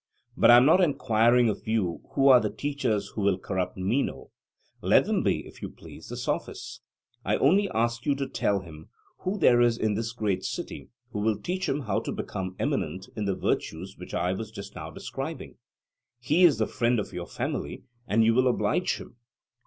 But I am not enquiring of you who are the teachers who will corrupt Meno (let them be, if you please, the Sophists); I only ask you to tell him who there is in this great city who will teach him how to become eminent in the virtues which I was just now describing. He is the friend of your family, and you will oblige him.